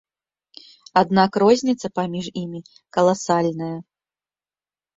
Аднак розніца паміж імі каласальная.